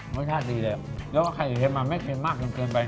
รสชาติดีเลยอ่ะแล้วก็ไข่เท็มอ่ะไม่เท็มมากเกินเกินไป